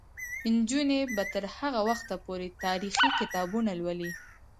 نجونې به تر هغه وخته پورې تاریخي کتابونه لولي.